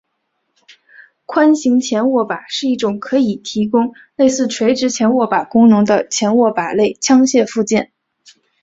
宽型前握把是一种可以提供类似垂直前握把功能的前握把类枪械附件。